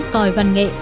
còi văn nghệ